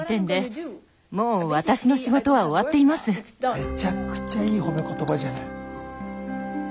めちゃくちゃいい褒め言葉じゃない！